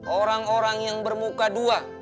orang orang yang bermuka dua